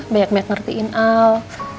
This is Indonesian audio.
banyak banyak ngertiin al